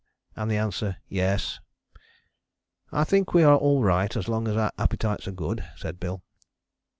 and the answer Yes. "I think we are all right as long as our appetites are good," said Bill.